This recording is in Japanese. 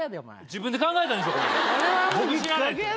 自分で考えたんでしょ。